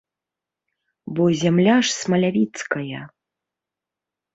Бо зямля ж смалявіцкая.